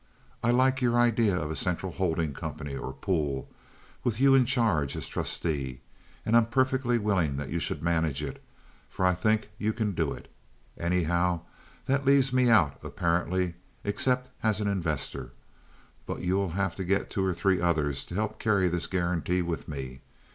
I like your idea of a central holding company, or pool, with you in charge as trustee, and I'm perfectly willing that you should manage it, for I think you can do it. Anyhow, that leaves me out, apparently, except as an Investor. But you will have to get two or three others to help carry this guarantee with me.